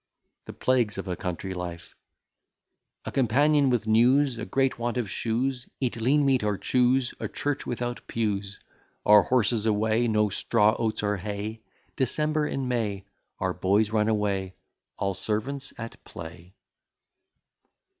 THE PLAGUES OF A COUNTRY LIFE A companion with news; a great want of shoes; Eat lean meat or choose; a church without pews; Our horses away; no straw, oats, or hay; December in May; our boys run away; all servants at play.